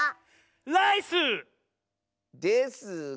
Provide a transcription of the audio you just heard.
ライス！ですが。